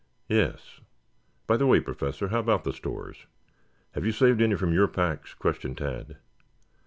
"Yes. By the way, Professor, how about the stores? Have you saved any from your packs?" questioned Tad.